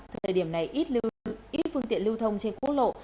thời điểm này ít phương tiện lưu thông trên quốc lộ